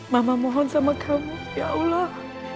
mama mohon sama kamu ya allah